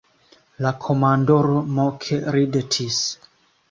La komandoro moke ridetis.